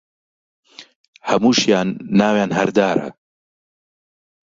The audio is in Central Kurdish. هەمووشیان ناویان هەر دارە